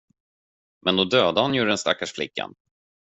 Men då dödade han ju den stackars flickan.